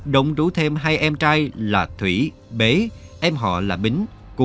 động đủ thêm hai em trai là thủy bế em họ là bính của